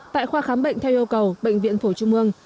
tại khoa khám bệnh theo yêu cầu bệnh viện phổ trung hương